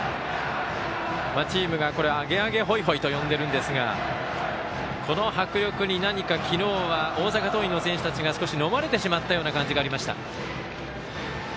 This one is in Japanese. チームが「アゲアゲホイホイ」と呼んでいるんですがこの迫力に何か昨日は大阪桐蔭の選手たちが少し、のまれてしまった感じがありました。